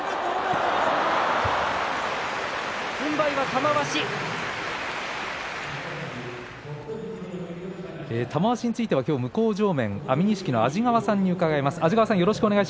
玉鷲については、向正面安美錦の安治川さんに伺います。